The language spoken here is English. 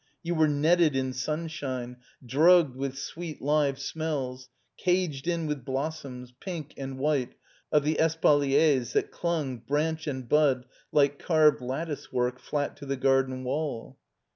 You were netted in sunshine, drugged with sweet live smells, caged in with blossoms, pink and white, of the espaliers that cltmg, branch and bud, like carved latticework, flat to the garden wall.